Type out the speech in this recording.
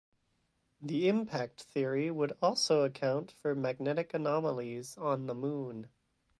The impact theory would also account for magnetic anomalies on the moon.